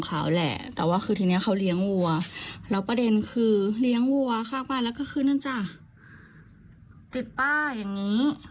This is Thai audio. จะมาติดป้ายว่าอยู่ไม่ได้